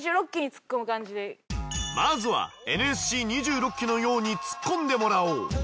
まずはＮＳＣ２６期のようにツッコンでもらおう。